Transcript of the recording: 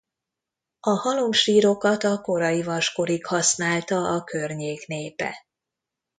A halomsírokat a korai vaskorig használta a környék népe.